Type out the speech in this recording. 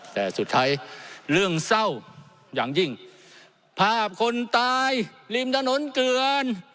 แต่สุดท้ายเรื่องเศร้าอย่างยิ่งภาพคนตายริมถนนเกลือน